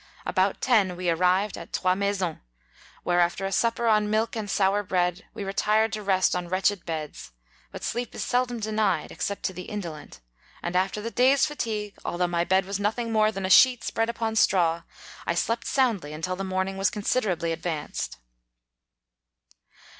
About ten we arrived at Trois Maisons, where, after a supper on milk and sour bread, we retired to rest on wretched beds : but sleep is seldom denied, except to the indolent, and after the day's fa tigue, although my bed was nothing more than a sheet spread upon straw, I slept soundly until the morning was considerably advanced.